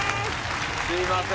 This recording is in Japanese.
すいません！